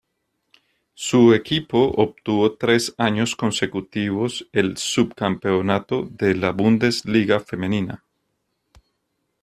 Su equipo obtuvo tres años consecutivos el sub-campeonato de la Bundesliga femenina.